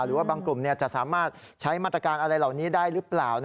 หรือว่าบางกลุ่มจะสามารถใช้มาตรการอะไรเหล่านี้ได้หรือเปล่า